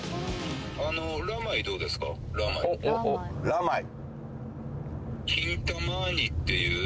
ラマイ。